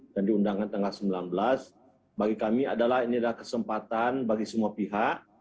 dan diundangan tanggal sembilan belas bagi kami adalah ini adalah kesempatan bagi semua pihak